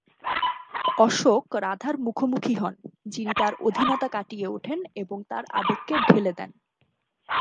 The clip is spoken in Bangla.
অশোক রাধার মুখোমুখি হন, যিনি তাঁর অধীনতা কাটিয়ে উঠেন এবং তাঁর আবেগকে ঢেলে দেন।